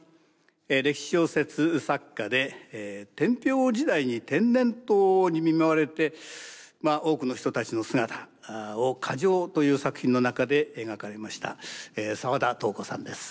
歴史小説作家で天平時代に天然痘に見舞われて多くの人たちの姿を「火定」という作品の中で描かれました澤田瞳子さんです。